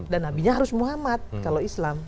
dan nabinya harus muhammad kalau islam